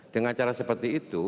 dengan cara seperti itu